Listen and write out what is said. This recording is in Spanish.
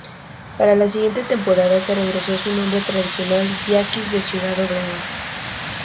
Para la siguiente temporada se regresó a su nombre tradicional Yaquis de Ciudad Obregón.